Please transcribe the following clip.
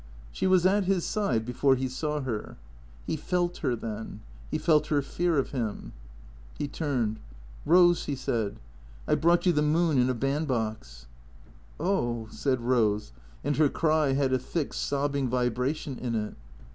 She was at his side before he saw her. He felt her then, he felt her fear of him. He turned. " Rose," he said, " I 've brought you the moon in a band box." " Oh," said Rose, and her cry had a thick, sobbing vibration in it.